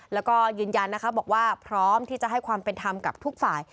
แล้วก็ยืนยันนะคะบอกว่าพร้อมที่จะให้ความเป็นธรรมกับทุกฝ่าย